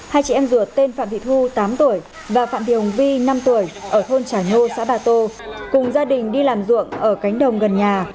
hai chị em ruột tên phạm thị thu tám tuổi và phạm thị hồng vi năm tuổi ở thôn trà nhô xã bà tô cùng gia đình đi làm ruộng ở cánh đồng gần nhà